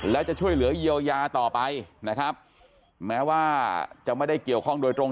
แล้วจะช่วยเหลือเยียวยาต่อไปนะครับแม้ว่าจะไม่ได้เกี่ยวข้องโดยตรง